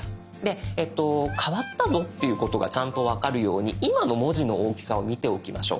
変わったぞということがちゃんと分かるように今の文字の大きさを見ておきましょう。